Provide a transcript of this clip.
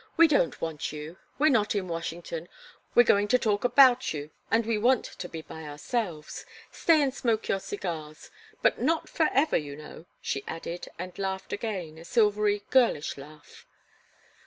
"We don't want you we're not in Washington we're going to talk about you, and we want to be by ourselves. Stay and smoke your cigars but not forever, you know," she added, and laughed again, a silvery, girlish laugh.